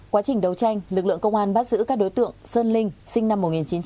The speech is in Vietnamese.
quá trình đấu tranh lực lượng công an bắt giữ các đối tượng sơn linh sinh năm một nghìn chín trăm tám mươi